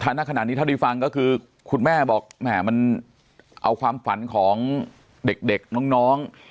ณขณะนี้เท่าที่ฟังก็คือคุณแม่บอกแหม่มันเอาความฝันของเด็กน้อง